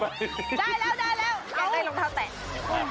แกล้งได้รองข้าวแตก